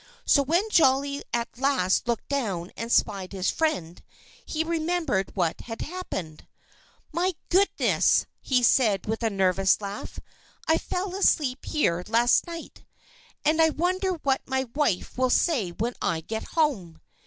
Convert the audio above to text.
So when Jolly at last looked down and spied his friend, he remembered what had happened. "My goodness!" he said with a nervous laugh. "I fell asleep here last night! And I wonder what my wife will say when I get home."